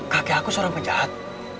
kakek aku seorang penjahat